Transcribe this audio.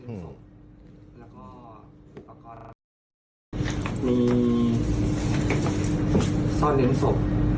มีซ่อนเหน็นศพ